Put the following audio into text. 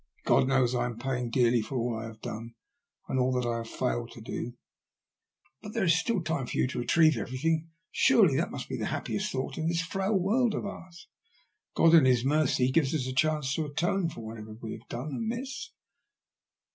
God knows I am paying dearly for all I have done and all that I have failed to do." But there is still time for you to retrieve every thing. Surely that must be the happiest thought in THE WRECK OP THE "FIJI PRINCESS." 148 this frail world of oon. God, in His mercy, gives us a chance to atone for whatever we have done amiss.